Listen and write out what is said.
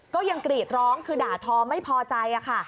ก็ยังกรีดร้องคือด่าทอไม่พอใจค่ะ